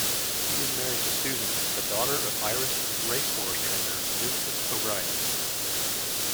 He is married to Susan, the daughter of Irish racehorse-trainer Vincent O'Brien.